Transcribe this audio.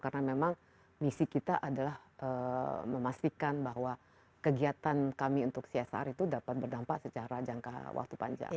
karena memang misi kita adalah memastikan bahwa kegiatan kami untuk csr dapat berdampak secara jangka waktu panjang